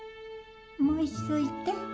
もう一度言って。